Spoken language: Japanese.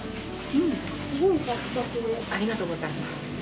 ありがとうございます。